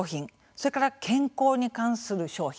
それから健康に関する商品